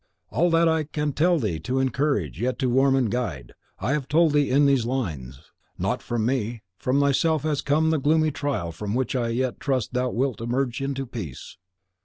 All that I can tell thee to encourage, yet to warn and to guide, I have told thee in these lines. Not from me, from thyself has come the gloomy trial from which I yet trust thou wilt emerge into peace.